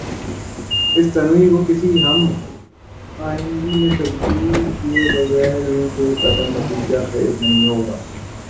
اس تنوع کو کسی ہم آہنگی میں تبدیل کیے بغیربھی کوئی قدم نتیجہ خیز نہیں ہو گا۔